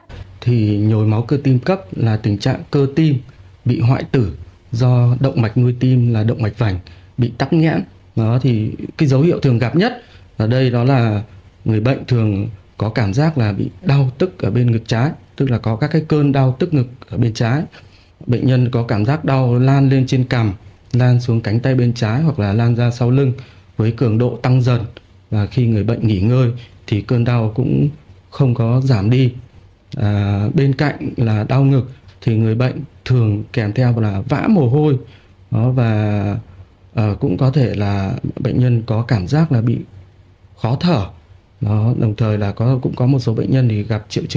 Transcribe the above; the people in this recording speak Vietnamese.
chia sẻ về nhồi máu cơ tim cấp thạc sĩ tạ văn hải trung tâm đột quy bệnh viện đa khoa tỉnh phú thọ cho biết